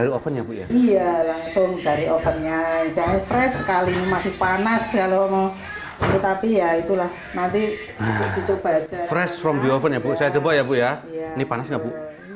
rasanya seperti kacang hijau